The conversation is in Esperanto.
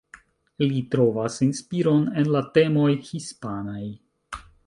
Li trovas inspiron en la temoj hispanaj.